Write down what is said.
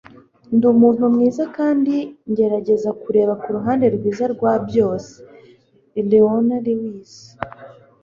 ndi umuntu mwiza, kandi ngerageza kureba ku ruhande rwiza rwa byose. - leona lewis